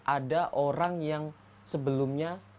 ada orang yang sebelumnya